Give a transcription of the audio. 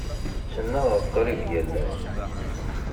Ttnaɣeɣ qrib yal ass.